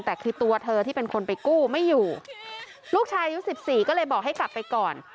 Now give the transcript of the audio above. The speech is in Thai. แต่คือตัวเธอที่เป็นคนไปกู้ไม่อยู่ลูกชายอายุ๑๔ก็เลยบอกให้กลับไปก่อน